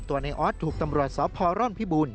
ตัวในออสถูกตำรวจสพรรณพิบูรณ์